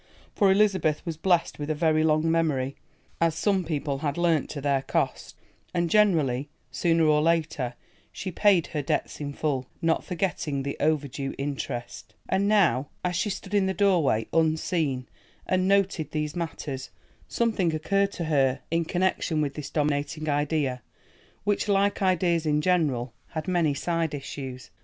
For Elizabeth was blessed with a very long memory, as some people had learnt to their cost, and generally, sooner or later, she paid her debts in full, not forgetting the overdue interest. And now, as she stood in the doorway unseen and noted these matters, something occurred to her in connection with this dominating idea, which, like ideas in general, had many side issues.